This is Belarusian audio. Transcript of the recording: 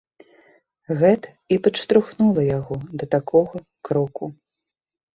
Гэта і падштурхнула яго да такога кроку.